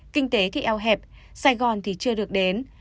kinh tế thì eo hẹp sài gòn thì chưa được đến